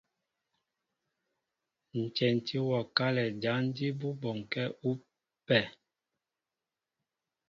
Ǹ tyɛntí wɔ kálɛ jǎn jí bú bɔnkɛ́ ú pɛ.